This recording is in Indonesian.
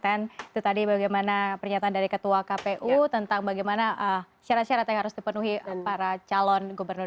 itu tadi bagaimana pernyataan dari ketua kpu tentang bagaimana syarat syarat yang harus dipenuhi para calon gubernur